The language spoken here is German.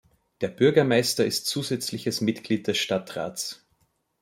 Der Bürgermeister ist zusätzliches Mitglied des Stadtrats.